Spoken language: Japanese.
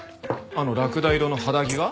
あのラクダ色の肌着が？